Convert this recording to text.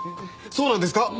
そうなんですか？